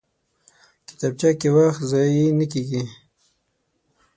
کتابچه کې وخت ضایع نه کېږي